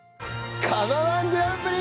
釜−１グランプリ！